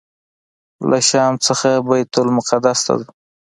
له شام نه بیت المقدس ته ځم.